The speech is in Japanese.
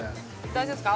大丈夫ですか？